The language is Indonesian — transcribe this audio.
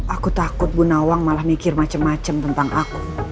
aku takut bu nawang malah mikir macam macam tentang aku